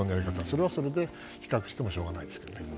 それはそれで比較してもしょうがないですけどね。